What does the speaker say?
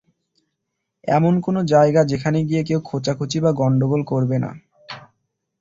এমন কোনো জায়গা যেখানে গিয়ে কেউ খোঁচাখুঁচি বা গণ্ডগোল করবে না।